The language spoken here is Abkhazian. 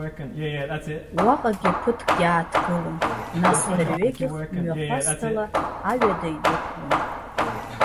Уаҟагьы ԥыҭк иааҭгылон, нас дырҩегьых мҩахәасҭала аҩада идәықәлон.